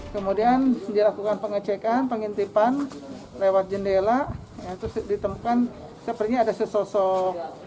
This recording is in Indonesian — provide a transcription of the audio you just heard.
kemudian dilakukan pengecekan pengintipan lewat jendela itu ditemukan sepertinya ada sesosok